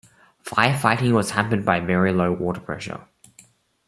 Firefighting was hampered by very low water pressure.